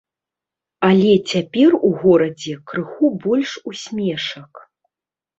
Але цяпер у горадзе крыху больш усмешак.